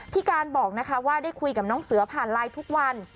พี่การบอกนะคะว่าได้คุยกับน้องเสือผ่านไลน์ทุกวัน